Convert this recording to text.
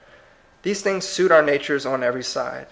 These things suit our natures on every side.